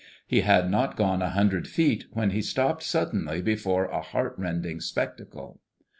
He had not gone a hundred feet when he stopped suddenly before a heart rending spectacle.